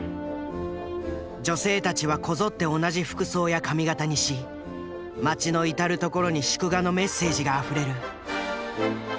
女性たちはこぞって同じ服装や髪型にし街の至る所に祝賀のメッセージがあふれる。